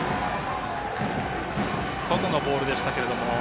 外のボールでしたけれども。